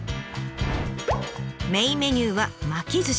メインメニューは巻き寿司。